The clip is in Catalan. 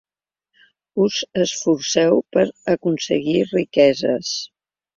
Us esforceu per aconseguir riqueses.